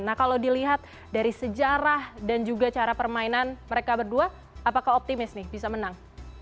nah kalau dilihat dari sejarah dan juga cara permainan mereka berdua apakah optimis nih bisa menang